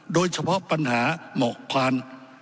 โดยเฉพาะปัญหาหมอกควาน